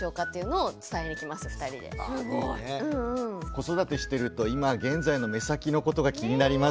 子育てしてると今現在の目先のことが気になりますよね。